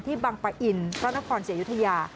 ที่บางปะอินพระนครเศรษฐ์อยุธยา